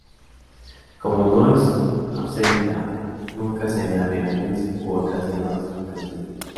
Como no es absenta, nunca se añade anís u otras hierbas parecidas.